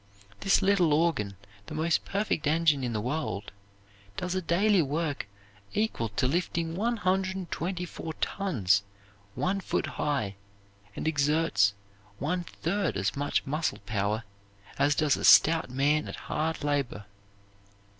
This little organ, the most perfect engine in the world, does a daily work equal to lifting one hundred and twenty four tons one foot high, and exerts one third as much muscle power as does a stout man at hard labor.